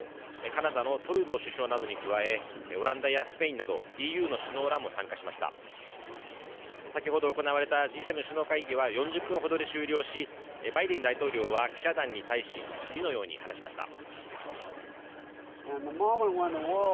カナダのトルドー首相などに加えオランダやスペインなどＥＵの首脳らも参加しました先ほど行われたＧ７首脳会議は４０分ほどで終了しバイデン大統領は記者団に対し次のように話しました